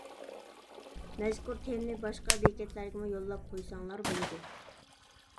مەزكۇر تېمىنى باشقا بېكەتلەرگىمۇ يوللاپ قويساڭلار بولىدۇ.